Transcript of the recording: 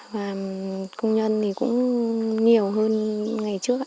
và công nhân thì cũng nhiều hơn ngày trước